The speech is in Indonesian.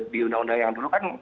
di undang undang yang dulu kan